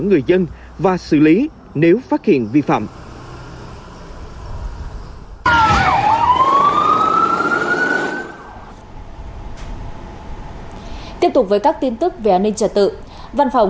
người dân và xử lý nếu phát hiện vi phạm tiếp tục với các tin tức về an ninh trật tự văn phòng